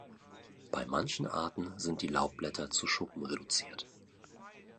Bei manchen Arten sind die Laubblätter zu Schuppen reduziert.